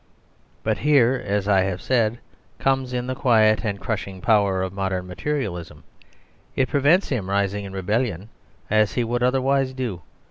But here, as I have said, comes in the quiet and crushing power of modern materialism. It prevents him rising in rebellion, as he would otherwise do.